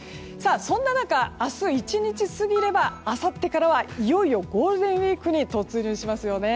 そんな中、明日１日過ぎればあさってからはいよいよゴールデンウィークに突入します。